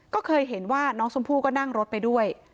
ก็เคยเห็นว่าน้องชมพู่ก็นั่งรถไปด้วย